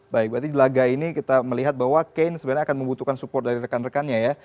baik berarti di laga ini kita melihat bahwa kane sebenarnya akan membutuhkan support dari rekan rekannya ya